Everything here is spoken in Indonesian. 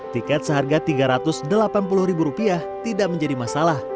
tiket seharga rp tiga ratus delapan puluh tidak menjadi masalah